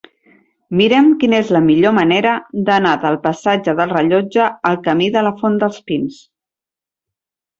Mira'm quina és la millor manera d'anar del passatge del Rellotge al camí de la Font dels Pins.